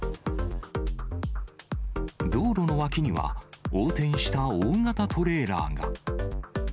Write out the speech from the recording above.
道路の脇には、横転した大型トレーラーが。